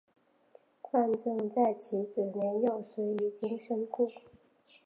范正在其子年幼时已经身故。